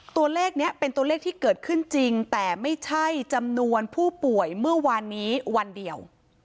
ตัวเลขนี้เป็นตัวเลขที่เกิดขึ้นจริงแต่ไม่ใช่จำนวนผู้ป่วยเมื่อวานนี้วันเดียว